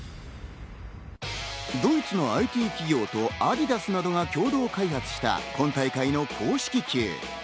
ドイツのＩＴ企業とアディダスなどが共同開発した、今大会の公式球。